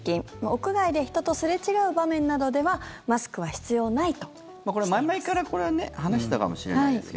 屋外で人とすれ違う場面などではマスクは必要ないとしています。